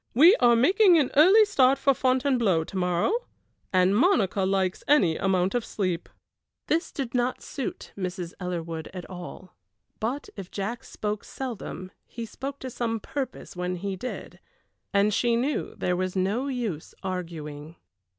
"We are making an early start for Fontainebleau to morrow, and Monica likes any amount of sleep." This did not suit Mrs. Ellerwood at all; but if Jack spoke seldom he spoke to some purpose when he did, and she knew there was no use arguing.